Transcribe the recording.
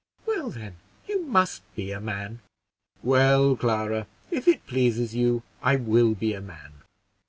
"Well, then, you must be a man." "Well, Clara, if it pleases you, I will be a man."